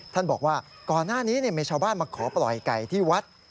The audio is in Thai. ท่านบอกว่าก่อนหน้านี้มีชาวบ้านมาขอปล่อยไก่ที่วัด